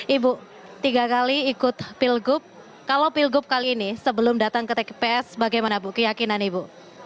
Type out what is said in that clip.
ibu tiga kali ikut pilgub kalau pilgub kali ini sebelum datang ke tps bagaimana bu keyakinan ibu